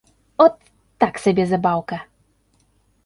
От, так сабе забаўка.